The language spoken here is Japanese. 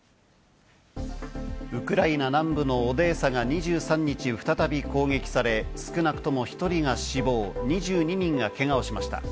ウクライナ南部のオデーサが２３日、再び攻撃され、少なくとも１人が死亡、２２人がけがをしました。